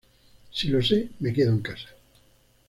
Si lo sé, me quedo en casa